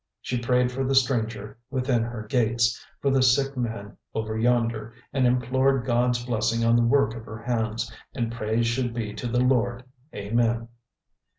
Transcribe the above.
She prayed for the stranger within her gates, for the sick man over yonder, and implored God's blessing on the work of her hands; and praise should be to the Lord. Amen.